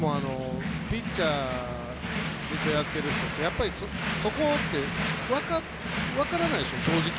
ピッチャーずっとやってるとそこって分からないでしょ、正直。